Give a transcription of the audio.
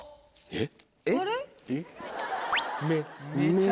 えっ？